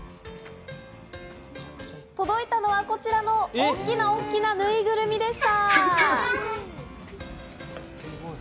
届いたのはこちらの大きな、大きなぬいぐるみでした！